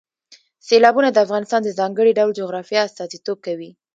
سیلابونه د افغانستان د ځانګړي ډول جغرافیه استازیتوب کوي.